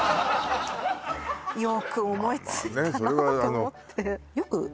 よく思いついたなと思ってまあね